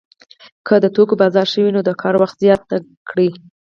که د توکو بازار ښه وي نو د کار وخت زیات کړي